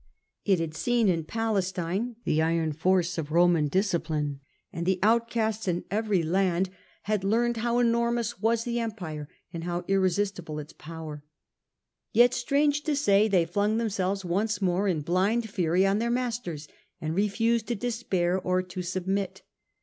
It had seen in Palestine the iron force ot Roman discipline, and the outcasts in every land had 72 The Age of the A ntonines, a. d. learned how enormovis was the empire and how irresist ible its power. Yet, strange to say, they flung them selves once more in blind fury on their masters, and refused to despair or to submit.